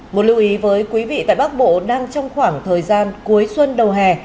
một lưu ý với quý vị tại bắc bộ đang trong khoảng thời gian cuối xuân đầu hè